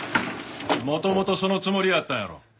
元々そのつもりやったんやろ。